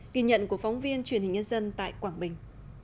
kỳ nhận của phóng viên truyền hình nhân dân tại quảng bình